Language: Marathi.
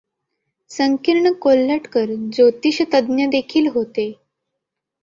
संकीर्ण कोल्हटकर ज्योतिषतज्ज्ञदेखील होते.